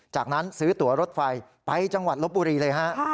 จากนั้นซื้อตัวรถไฟไปจังหวัดลบบุรีเลยฮะ